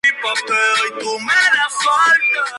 Jenkins está enterrado en el cementerio de Gaiman.